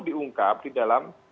diungkap di dalam